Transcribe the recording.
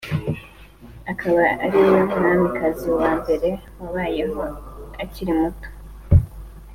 akaba ariwe mwamikazi wa mbere wabayeho akiri muto